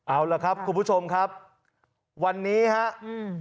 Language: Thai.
เอาละครับคุณผู้ชมครับ